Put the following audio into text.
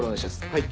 はい。